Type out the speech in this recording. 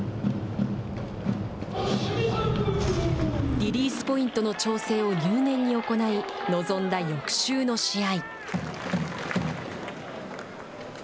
リリースポイントの調整を入念に行い臨んだ翌週の試合。